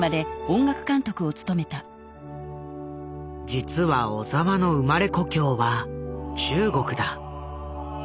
実は小澤の生まれ故郷は中国だ。